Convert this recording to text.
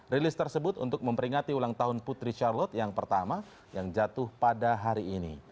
rilis tersebut untuk memperingati ulang tahun putri charlotte yang pertama yang jatuh pada hari ini